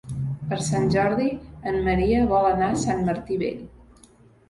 Per Sant Jordi en Maria vol anar a Sant Martí Vell.